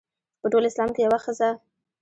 په ټول اسلام کې یوه ښځه.